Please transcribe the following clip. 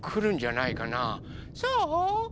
そう？